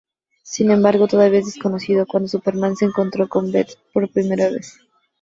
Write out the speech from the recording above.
Sin embargo, todavía es desconocido, cuando Superman se encontró con Bette por primera vez.